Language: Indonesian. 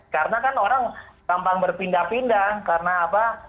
karena kan orang gampang berpindah pindah karena apa